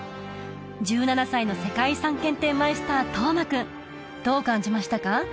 １７歳の世界遺産検定マイスター登眞君どう感じましたか？